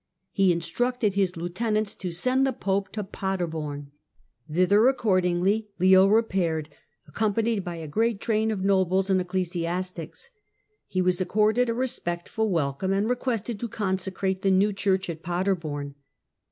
He instructed his lieutenants to send the Pope to Pader born. Thither accordingly Leo repaired, accompanied by a great train of nobles and ecclesiastics. He was accorded a respectful welcome, and requested to consecrate the new church at Paderborn.